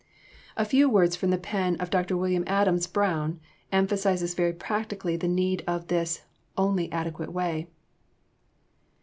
A few words from the pen of Dr. William Adams Brown emphasize very practically the need of this "only adequate way."